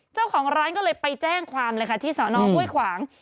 เจ้าของร้านก็เลยไปแจ้งความเลยค่ะที่สอนอห้วยขวาง